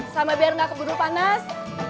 sama biar nggak keburu panas